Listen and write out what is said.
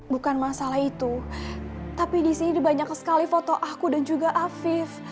bukan masalah itu tapi di sini banyak sekali foto aku dan juga afif